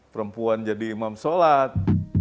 perempuan jadi imam sholat